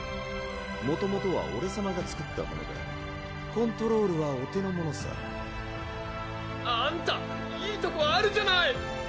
もともとはオレさまが作ったものだコントロールはお手のものさ「あんたいいとこあるじゃない！」